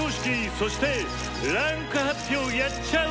「そして位階発表やっちゃうよ！」。